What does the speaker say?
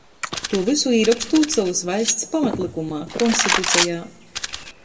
Tū vysu īrokstūt sovys vaļsts pamatlykumā — konstitucejā.